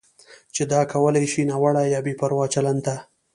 چې دا کولی شي ناوړه یا بې پروا چلند ته